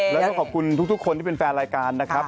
แล้วก็ขอบคุณทุกคนที่เป็นแฟนรายการนะครับ